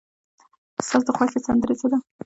ستا د خوښې سندره څه ده؟